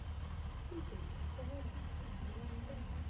D tidet tesɣiḍ-d axxam deg London?